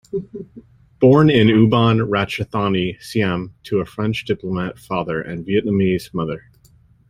Born in Ubon Ratchathani, Siam to a French diplomat father and Vietnamese mother.